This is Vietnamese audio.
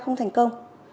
không thành công